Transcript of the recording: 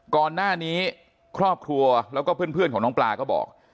ก่อนหน้านี้ครอบครัวแล้วก็เพื่อนของน้องปลาก็บอก